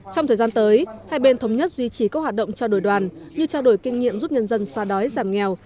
trong thời gian tới hai bên thống nhất duy trì các hoạt động trao đổi đoàn như trao đổi kinh nghiệm giúp nhân dân xoa đói giảm nghèo